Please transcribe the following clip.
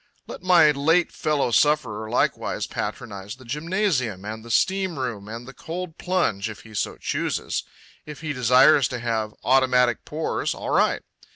Let my late fellow sufferer likewise patronize the gymnasium and the steam room and the cold plunge if he so chooses. If he desires to have automatic pores, all right.